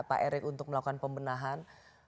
pak erick untuk melakukan pembenahan